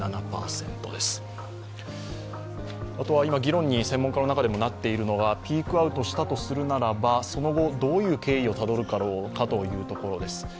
今、専門家の中でも議論になっているのはピークアウトしたとするならば、その後、どういう経緯をたどるだろうかというところです。